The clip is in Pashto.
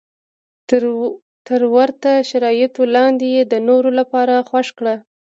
تر ورته شرایطو لاندې یې د نورو لپاره خوښ کړه.